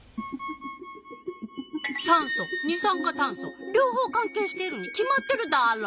酸素二酸化炭素両方関係しているに決まってるダーロ！